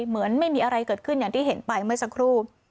เหมือนไม่มีอะไรเกิดขึ้นอย่างที่เห็นไปเมื่อสักครู่